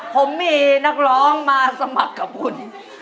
ผมมีนักร้องมาสมัครกับคุณ